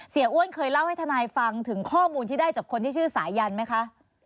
อ้วนเคยเล่าให้ทนายฟังถึงข้อมูลที่ได้จากคนที่ชื่อสายันไหมคะ